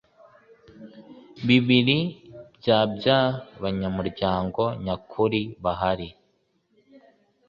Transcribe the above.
Bibiri bya by abanyamuryango nyakuri bahari